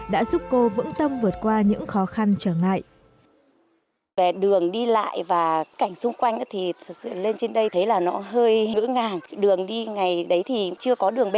đã giúp cô vững tâm vượt qua những khó khăn